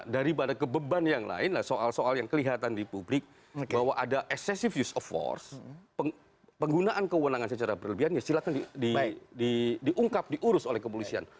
daripada kebeban yang lain soal soal yang kelihatan di publik bahwa ada excessive use of force penggunaan kewenangan secara berlebihan ya silahkan diungkap diurus oleh kepolisian